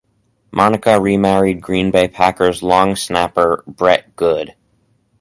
Monica remarried Green Bay Packers long snapper Brett Goode.